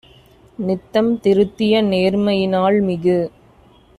நித்தம் திருத்திய நேர்மையி னால்மிகு